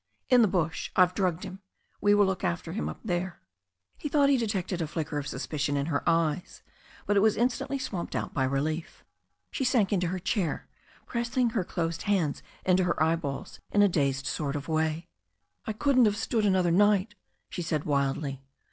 "In the bush. I've drugged him. We will look after him up there." He thought he detected a flicker of suspicion in her eyes, IQO THE STORY 01? A NEW ZEALAND RIVER but it was instantly swamped out by relief. She sank into her chair, pressing her closed hands into her eyeballs in a dazed sort of way. "I couldn't have stood another night," she said wildly.